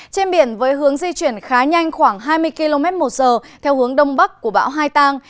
trên biển với hướng di chuyển khá nhanh khoảng hai mươi km một giờ theo hướng đông bắc của bão hai tang